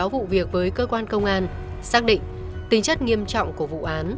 vụ việc với cơ quan công an xác định tính chất nghiêm trọng của vụ án